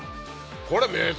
これ。